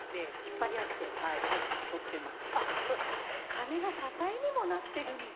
鉦が支えにもなってるんだ。